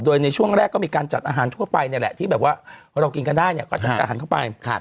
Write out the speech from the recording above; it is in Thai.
โดยในช่วงแรกก็มีการจัดอาหารทั่วไปเนี่ยแหละที่แบบว่าเรากินกันได้เนี่ยก็จะอาหารเข้าไป